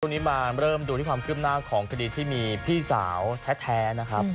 มาเริ่มดูที่ความคืบหน้าของคดีที่มีพี่สาวแท้นะครับ